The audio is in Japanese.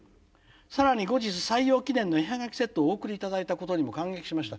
更に後日採用記念の絵ハガキセットをお贈り頂いたことにも感激しました。